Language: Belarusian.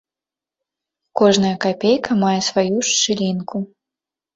Кожная капейка мае сваю шчылінку.